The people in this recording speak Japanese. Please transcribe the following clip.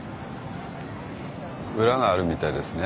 裏があるみたいですね。